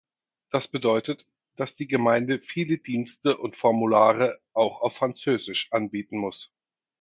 Das bedeutet, dass die Gemeinde viele Dienste und Formulare auch auf französisch anbieten muss.